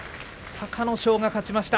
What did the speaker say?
隆の勝が勝ちました。